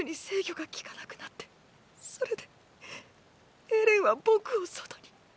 それでエレンは僕を外に。